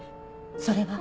それは？